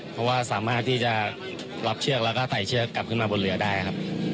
เพราะว่าสามารถที่จะล็อกเชือกแล้วก็ไต่เชือกกลับขึ้นมาบนเรือได้ครับ